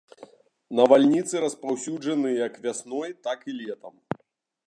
Навальніцы распаўсюджаны як вясной, так і летам.